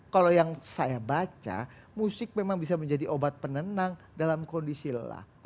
kalau yang saya baca musik memang bisa menjadi obat penenang dalam kondisi lelah